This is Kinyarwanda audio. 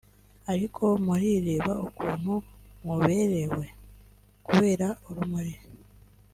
Ariko murireba ukuntu muberewe (kubera urumuri)